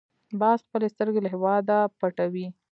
باز خپلې سترګې له هېواده پټوي